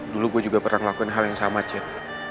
dulu gue juga pernah melakukan hal yang sama cid